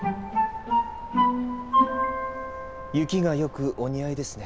雪がよくお似合いですね